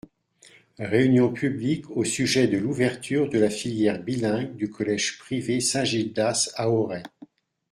Réunion publique au sujet de l’ouverture de la filière bilingue du collège privé Saint Gildas, à Auray.